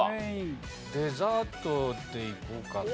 デザートでいこうかな。